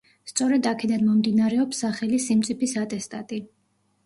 სწორედ აქედან მომდინარეობს სახელი „სიმწიფის ატესტატი“.